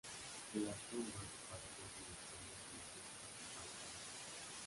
La tumbas y paredes se decoraron con la rosca palpable.